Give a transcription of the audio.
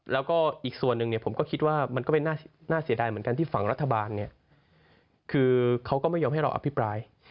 แล้วก็อีกส่วนหนึ่งผมก็คิดว่ามันก็เป็นน่าเสียดายเหมือนกันที่ฝั่งรัฐบาลคือเขาก็ไม่ยอมให้เราอภิปราย